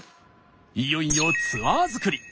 いよいよツアー作り。